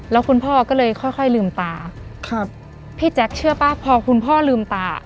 แล้วคุณพ่อก็เลยค่อยค่อยลืมตาครับพี่แจ๊คเชื่อป่ะพอคุณพ่อลืมตา